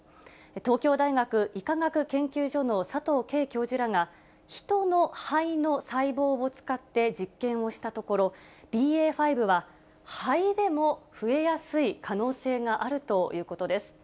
東京大学医科学研究所の佐藤佳教授らが、ヒトの肺の細胞を使って実験をしたところ、ＢＡ．５は肺でも増えやすい可能性があるということです。